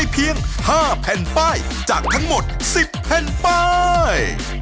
เพียง๕แผ่นป้ายจากทั้งหมด๑๐แผ่นป้าย